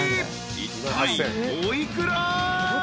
いったいお幾ら？］